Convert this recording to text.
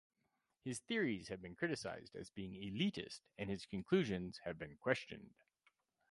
His theories have been criticized as being elitist, and his conclusions have been questioned.